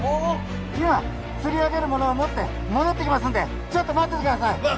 今つり上げるものを持って戻ってきますんでちょっと待っててください